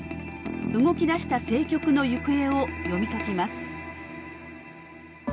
動き出した政局の行方を読み解きます。